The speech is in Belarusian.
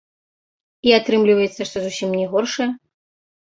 І атрымліваецца, што зусім не горшая.